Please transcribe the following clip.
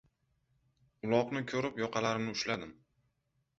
Uloqni ko‘rib, yoqalarimni ushladim.